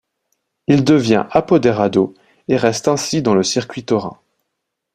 Il devient apoderado et reste ainsi dans le circuit taurin.